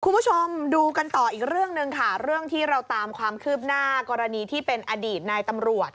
คุณผู้ชมดูกันต่ออีกเรื่องหนึ่งค่ะเรื่องที่เราตามความคืบหน้ากรณีที่เป็นอดีตนายตำรวจ